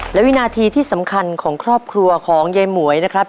และวินาทีที่สำคัญของครอบครัวของยายหมวยนะครับ